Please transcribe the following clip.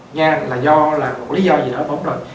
nha là do là có lý do gì đó bón rồi